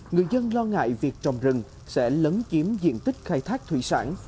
người dân lo ngại việc trồng rừng sẽ lấn chiếm diện tích khai thác thủy sản